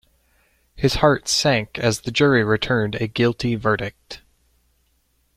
His heart sank as the jury returned a guilty verdict.